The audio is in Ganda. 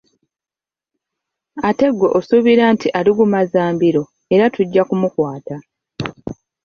Ate ggwe osuubira nti aligumaza mbilo. Era tujja kumukwata.